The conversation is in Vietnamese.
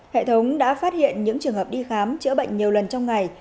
hệ thống đã phát hiện những trường hợp đi khám chữa bệnh nhiều lần trong ngày